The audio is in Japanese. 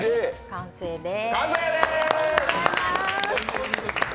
完成です。